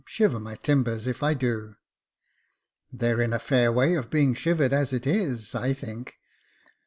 Shiver my timbers if I do." " They're in a fair way of being shivered as it is, I think.